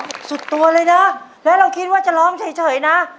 สุดตัวเลยนะแล้วเราคิดว่าจะร้องเฉยนะ